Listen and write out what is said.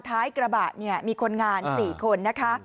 ท้ายกระบะเนี่ยมีคนงาน๔คนนะคะ